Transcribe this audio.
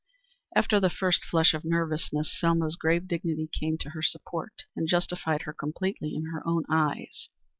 After the first flush of nervousness, Selma's grave dignity came to her support, and justified her completely in her own eyes.